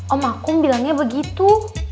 om akum bilangnya begitu